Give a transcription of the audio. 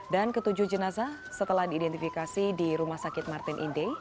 dan ke tujuh jenazah setelah diidentifikasi di rumah sakit martin inde